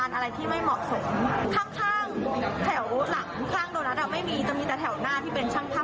ต้องใช้เวลาอยู่กับตัวเองสักแป๊บนึงถึงจะตั้งสติได้